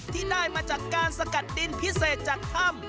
ที่ได้มาจากการสกัดดินพิเศษจากถ้ำ